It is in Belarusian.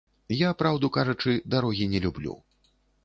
Я, праўду кажучы, дарогі не люблю.